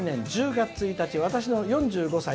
１０月１日、私の４５歳。